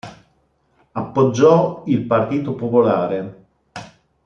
Appoggiò il Partito Popolare.